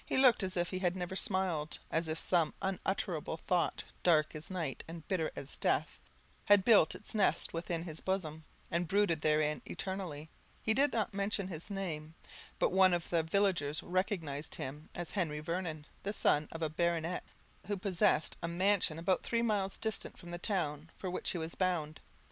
He looked as if he had never smiled as if some unutterable thought, dark as night and bitter as death, had built its nest within his bosom, and brooded therein eternally; he did not mention his name; but one of the villagers recognised him as Henry Vernon, the son of a baronet who possessed a mansion about three miles distant from the town for which be was bound.